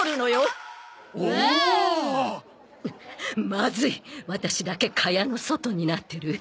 まずいワタシだけ蚊帳の外になってる。